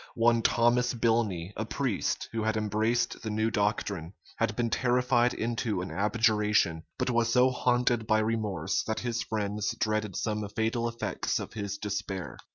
One Thomas Bilney, a priest, who had embraced the new doctrine, had been terrified into an abjuration; but was so haunted by remorse, that his friends dreaded some fatal effects of his despair.